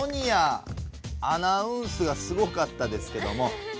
アナウンスがすごかったですけども。